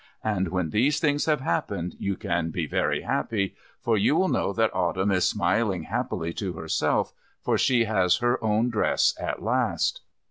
And when these things have happened you can be very happy, for you will know that Autumn is smiling happily to herself, for she has her own dress at last.